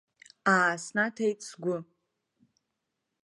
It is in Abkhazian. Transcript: Ааснаҭеит сгәы.